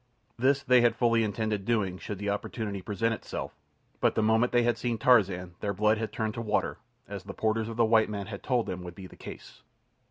This they had fully intended doing should the opportunity present itself; but the moment they had seen Tarzan their blood had turned to water, as the porters of the white men had told them would be the case.